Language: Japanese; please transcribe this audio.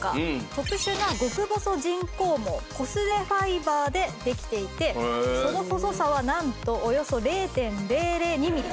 特殊な極細人工毛コスメファイバーでできていてその細さはなんとおよそ０．００２ミリ。